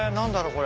これ。